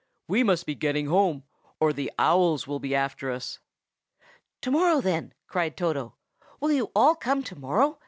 We must be getting home, or the owls will be after us." "To morrow, then," cried Toto. "Will you all come to morrow?